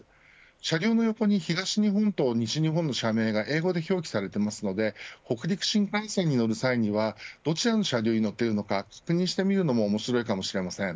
車両の横に東日本と西日本の社名が英語で表記されていますので北陸新幹線に乗る際にはどちらの車両に乗っているのか確認してみるのも面白いかもしれません。